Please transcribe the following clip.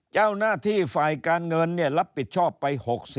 เจ้าหน้าที่ฝ่ายการเงินรับผิดชอบไป๖๐